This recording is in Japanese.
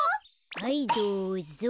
はいどうぞ。